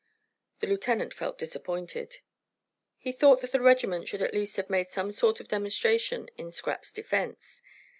The lieutenant felt disappointed. He thought that the regiment should at least have made some sort of demonstration in Scrap's defense.